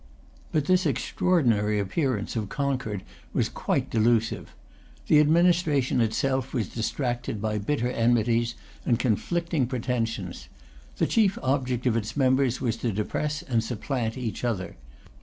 But this extraordinary appearance of concord was quite delusive. The administration itself was distracted by bitter enmities and conflicting pretensions. The chief object of its members was to depress and supplant each other.